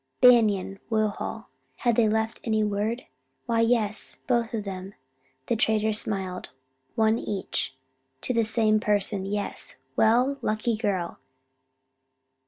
Banion, Woodhull had they left any word? Why, yes, both of them. The trader smiled. One each. To the same person, yes. Well, lucky girl!